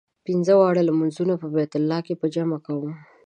پنځه واړه لمونځونه په بیت الله کې په جمع کوو.